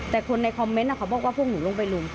แต่คนในคอมเมนต์เขาบอกว่าพวกหนูลงไปลุม